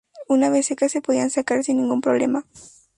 Una vez seca se podían sacar sin ningún problema.